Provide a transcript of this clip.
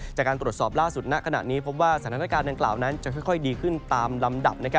จากการตรวจสอบล่าสุดณขณะนี้พบว่าสถานการณ์ดังกล่าวนั้นจะค่อยดีขึ้นตามลำดับ